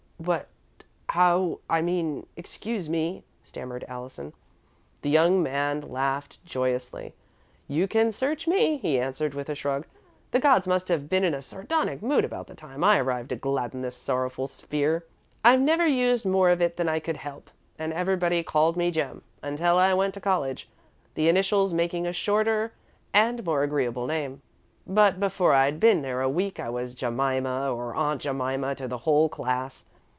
"What how I mean excuse me," stammered Allison. The young man laughed joyously. "You can search me," he answered, with a shrug. "The gods must have been in a sardonic mood about the time I arrived to gladden this sorrowful sphere. I've never used more of it than I could help, and everybody called me 'Jem' until I went to college, the initials making a shorter and more agreeable name. But before I'd been there a week, I was 'Jemima' or 'Aunt Jemima' to the whole class.